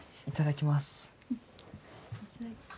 いただきます。